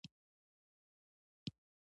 د کروندګر باور زراعت ته وده ورکوي.